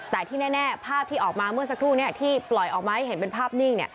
แต่ที่แน่ภาพที่ออกมาเมื่อสักครู่นี้ที่ปล่อยออกมาให้เห็นเป็นภาพนิ่ง